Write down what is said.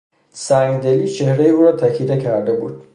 سنگدلی چهرهی او را تکیده کرده بود.